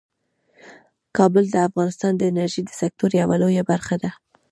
کابل د افغانستان د انرژۍ د سکتور یوه لویه برخه ده.